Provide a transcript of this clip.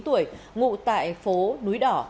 hai mươi chín tuổi ngụ tại phố núi đỏ